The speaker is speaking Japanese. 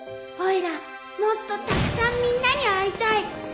おいらもっとたくさんみんなに会いたい！